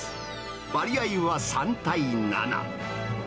割合は３対７。